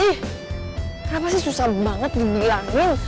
ih kenapa sih susah banget dibilangin